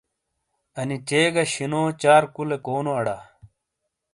انی 'چ' گہ 'ش' نو چار کلُے کونو اڑا؟